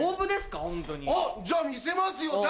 あっじゃあ見せますよ！